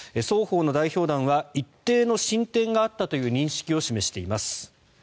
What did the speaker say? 双方の代表団は一定の進展があったという認識を示しています。